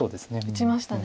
打ちましたね。